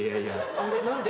あれ何で？